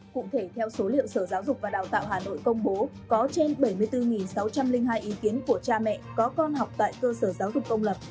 cụ thể theo số liệu sở giáo dục và đào tạo hà nội công bố có trên bảy mươi bốn sáu trăm linh hai ý kiến của cha mẹ có con học tại cơ sở giáo dục công lập